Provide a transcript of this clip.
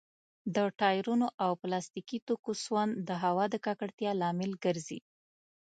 د ټايرونو او پلاستيکي توکو سون د هوا د ککړتيا لامل ګرځي.